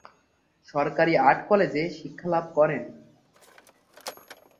সরকারি আর্ট কলেজে শিক্ষা লাভ করেন।